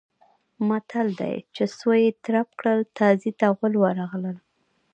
متل دی: چې سویې ترپ کړل تازي ته غول ورغلل.